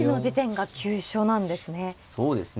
そうですね。